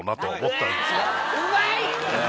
うまい！